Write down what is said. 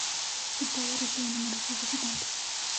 Su playa recibe numerosos visitantes.